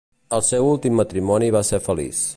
El seu últim matrimoni va ser feliç.